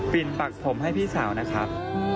ปักผมให้พี่สาวนะครับ